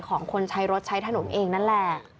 ของคนใช้รถใช้ถนนเองนั่นแหละ